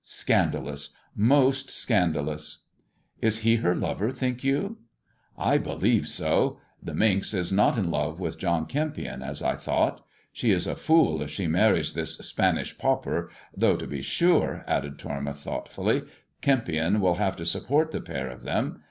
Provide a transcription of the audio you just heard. Scanda lous I moBt scandalous I "" Is he her lover, think you 1 "" I believe so ! The minx is not in !ove with John Kempion, as I thought. She ia a fool if she marries this "' I hwe seen the fellow kiM La Sonora.'" Spanish pauper, though, to bo sure," added Tormouth thoughtfully, " Kempion will have to support the pair of them.